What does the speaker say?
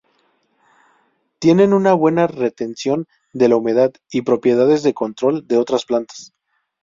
Tienen una buena retención de la humedad y propiedades de control de otras plantas.